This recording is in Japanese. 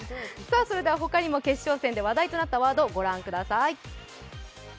他にも決勝戦で話題となったワードをご覧ください。